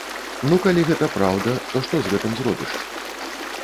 Ну калі гэта праўда, то што з гэтым зробіш.